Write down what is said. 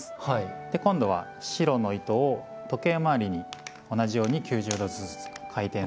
今度は白の糸を時計回りに同じように９０度ずつ回転させます。